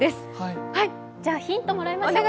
ヒントもらいましょうか。